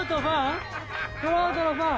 トラウトのファン？